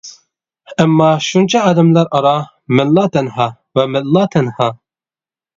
ئەمما شۇنچە ئادەملەر ئارا، مەنلا تەنھا ۋە مەنلا تەنھا.